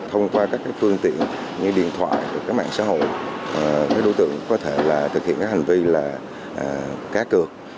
thông qua các phương tiện như điện thoại mạng xã hội các đối tượng có thể thực hiện các hành vi là cá cược